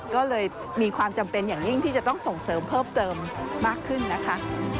ก็เลยมีความจำเป็นอย่างยิ่งที่จะต้องส่งเสริมเพิ่มเติมมากขึ้นนะคะ